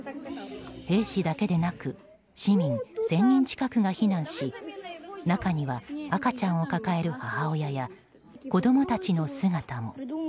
兵士だけでなく市民１０００人近くが避難し中には赤ちゃんを抱える母親や子供たちの姿も。